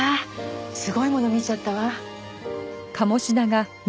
すごいもの見ちゃったわ。